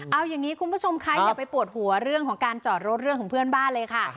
เอาอย่างนี้คุณผู้ชมคะอย่าไปปวดหัวเรื่องของการจอดรถเรื่องของเพื่อนบ้านเลยค่ะ